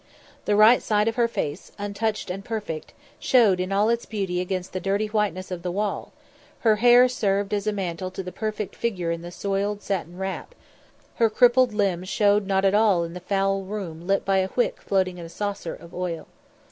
The right side of her face, untouched and perfect, showed in all its beauty against the dirty whiteness of the wall; her hair served as a mantle to the perfect figure in the soiled satin wrap; her crippled limbs showed not at all in the foul room lit by a wick floating in a saucer of oil.